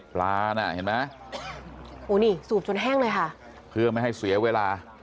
น่ะเห็นไหมโอ้นี่สูบจนแห้งเลยค่ะเพื่อไม่ให้เสียเวลา